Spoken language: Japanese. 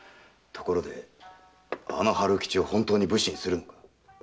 ところで春吉を本当に武士にするのか？